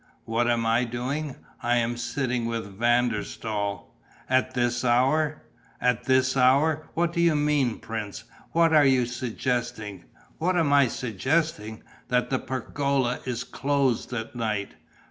"What am I doing? I am sitting with Van der Staal...." "At this hour?" "At this hour! What do you mean, prince, what are you suggesting?" "What am I suggesting? That the pergola is closed at night."